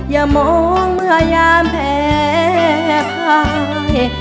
อย่ามองมาอย่าแผ่คลาย